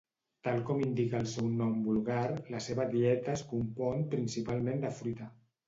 Tal com indica el seu nom vulgar, la seva dieta es compon principalment de fruita.